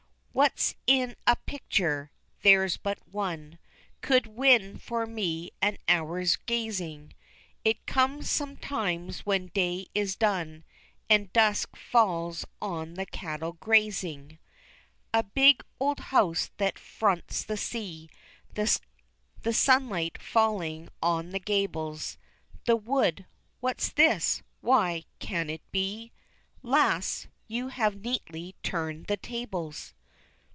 What's in a picture? there's but one Could win for me an hour's gazing; It comes sometimes when day is done, And dusk falls on the cattle grazing. A big, old house that fronts the sea, The sunlight falling on the gables, The wood what's this? Why, can it be! Lass, you have neatly turned the tables.